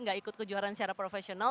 gak ikut kejuaraan secara profesional